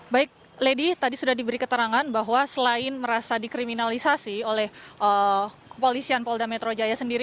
baik lady tadi sudah diberi keterangan bahwa selain merasa dikriminalisasi oleh kepolisian polda metro jaya sendiri